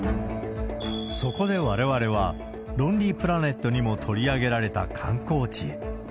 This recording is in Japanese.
そこでわれわれは、ロンリープラネットにも取り上げられた観光地へ。